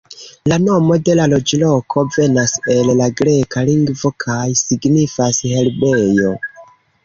La nomo de la loĝloko venas el la greka lingvo kaj signifas "herbejo".